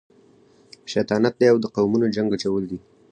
شیطانت دی او د قومونو جنګ اچول دي.